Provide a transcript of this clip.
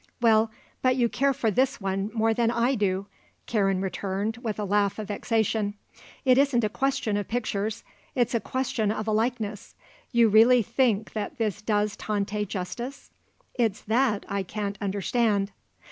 "Well, but you care for this one more than I do!" Karen returned, with a laugh of vexation. "It isn't a question of pictures; it's a question of a likeness. You really think that this does Tante justice? It's that I can't understand."